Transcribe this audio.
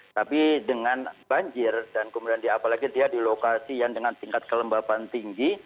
tapi dengan banjir dan kemudian diapalagi dia di lokasi yang dengan tingkat kelembapan tinggi